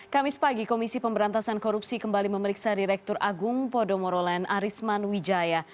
kamis pagi komisi pemberantasan korupsi kembali memeriksa direktur agung podomoro land arisman wijaya